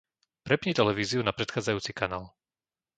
Prepni televíziu na predchádzajúci kanál.